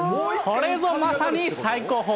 これぞまさに最高峰。